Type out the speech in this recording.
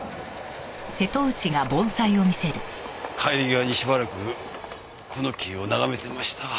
帰り際にしばらくこの木を眺めてましたわ。